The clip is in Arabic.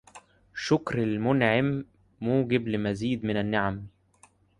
شكر المنعم موجب لمزيد من النعم